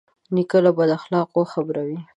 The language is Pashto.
نیکه له بد اخلاقو خبروي.